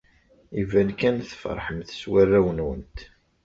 Iban kan tfeṛḥemt s warraw-nwent.